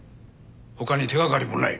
他に手掛かりもない。